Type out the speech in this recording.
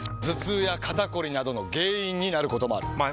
頭痛や肩こりなどの原因になることもある。